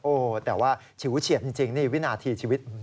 โอ้โหแต่ว่าฉิวเฉียดจริงนี่วินาทีชีวิต